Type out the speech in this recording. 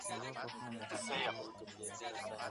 موږ به په راتلونکي کي چا ته پېغور ورنکړو.